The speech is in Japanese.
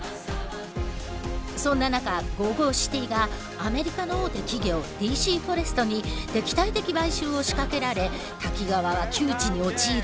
そんな中ＧＯＧＯＣＩＴＹがアメリカの大手企業ＤＣフォレストに敵対的買収を仕掛けられ滝川は窮地に陥る。